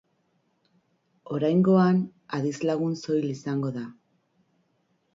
Oraingoan, adizlagun soil izango da.